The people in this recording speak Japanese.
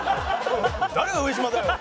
「誰が上島だよ！」。